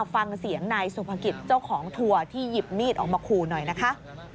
ฟังเสียงนายสุภกิจเจ้าของทัวร์ที่หยิบมีดออกมาขู่หน่อยนะคะ